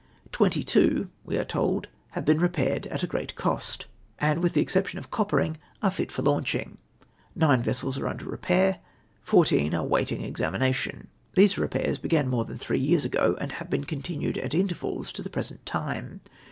Twenty two, we are told, have been repaired at a great cost, L 3 loO EXTRACT FROM " TIMES NEWSPAPER. and, with the exception of coppering, are fit fur hinnching. Nine vessels are under ] e}<air. fourteen are waiting examina tion. These repairs began more than three j^ears ago, and have been continued at intervals to the present time.